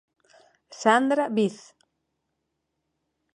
Sandra Viz.